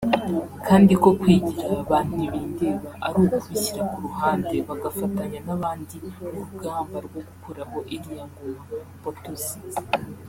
kandi ko kwigira ba ntibindeba ari ukubishyira ku ruhande bagafatanya n’abandi urugamba rwo gukuraho iriya ngoma -mpotozi